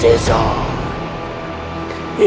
apa yang sedang kau tangis